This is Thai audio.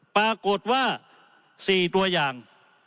ปรากฏว่า๔ตัวอย่าง